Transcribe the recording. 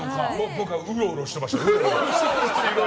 僕はうろうろしていましたよ。